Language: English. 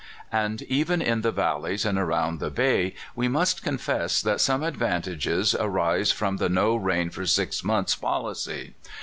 And even in the valleys and around the bay, we must confess that some advan tages arise from the no rain for six months policy.